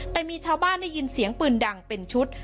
แต่มีชาวบ้านได้ยินเสียงปืนดังเป็นชุด